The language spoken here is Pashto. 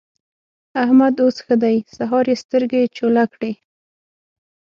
احمد اوس ښه دی؛ سهار يې سترګې چوله کړې.